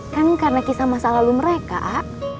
kan karena kisah masa lalu mereka